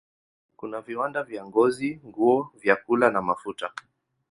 Kuna viwanda vya ngozi, nguo, vyakula na mafuta.